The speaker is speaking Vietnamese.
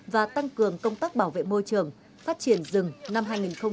và tăng cường công tác bảo vệ môi trường phát triển rừng năm hai nghìn hai mươi